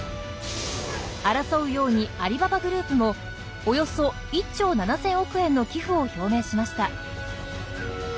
争うようにアリババグループもおよそ１兆７０００億円の寄付を表明しました。